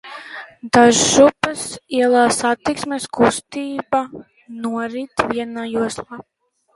Dadžupes ielā satiksmes kustība norit vienā joslā.